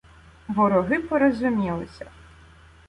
Вороги порозумілися.